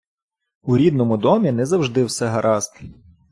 У рідному домі не завжди все гаразд.